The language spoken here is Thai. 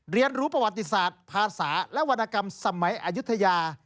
เรียนรู้ประวัติศาสตร์ภาษาและวรรณกรรมสมัยอายุทยา